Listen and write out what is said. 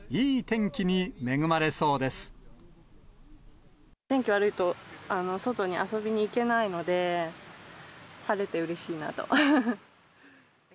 天気悪いと、外に遊びに行けないので、晴れてうれしいなと。